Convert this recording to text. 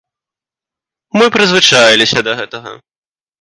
Мы прызвычаіліся да гэтага.